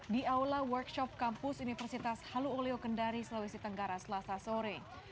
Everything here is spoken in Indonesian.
di aula workshop kampus universitas halu olio kendari sulawesi tenggara selasa sore